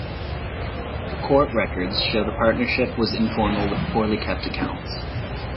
The court records show the partnership was informal with poorly kept accounts.